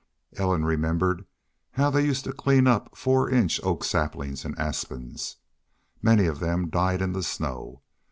Ellen remembered how they used to clean up four inch oak saplings and aspens. Many of them died in the snow.